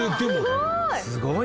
すごい！